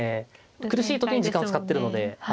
苦しい時に時間を使ってるので。